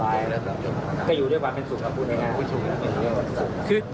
เป็นสูงออกึ่ง